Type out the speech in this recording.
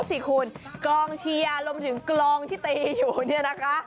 อันนี้รู้สิคุณกองเชียร์รวมถึงกลองที่ตีอยู่นี่นะคะ